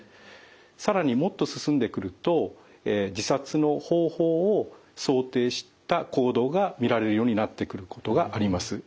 更にもっと進んでくると自殺の方法を想定した行動が見られるようになってくることがあります。